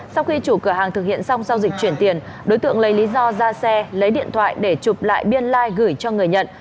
sau khi chủ cửa hàng thực hiện xong giao dịch chuyển tiền đối tượng lấy lý do ra xe lấy điện thoại để chụp lại biên lai gửi cho người nhận